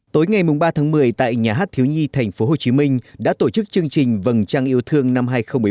tối ngày ba tháng một mươi tại nhà hát thiếu nhi tp hcm đã tổ chức chương trình vầng trăng yêu thương năm hai nghìn một mươi chín